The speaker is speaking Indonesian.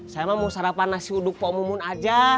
saya mah mau sarapan nasi uduk poh mumun aja